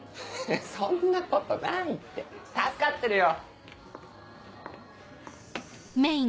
そんなことないって助かってるよ！